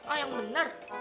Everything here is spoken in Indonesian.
ah yang bener